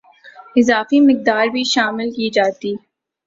اضافی مقدار بھی شامل کی جاتی